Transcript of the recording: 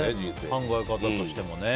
考え方としてもね。